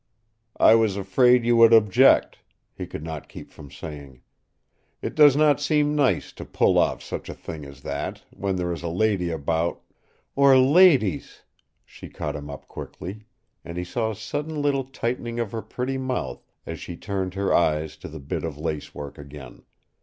"I was afraid you would object," he could not keep from saying. "It does not seem nice to pull off such a thing as that, when there is a lady about " "Or LADIES." She caught him up quickly, and he saw a sudden little tightening of her pretty mouth as she turned her eyes to the bit of lace work again.